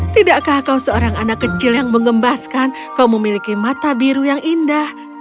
tidakkah kau seorang anak kecil yang mengembaskan kau memiliki mata biru yang indah